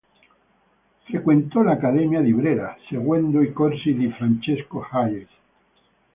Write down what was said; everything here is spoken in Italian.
Frequentò l'Accademia di Brera, seguendo i corsi di Francesco Hayez.